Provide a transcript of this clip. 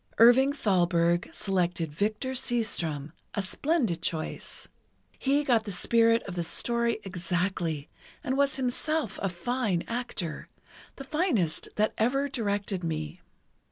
Irving Thalberg selected Victor Seastrom, a splendid choice. He got the spirit of the story exactly, and was himself a fine actor, the finest that ever directed me.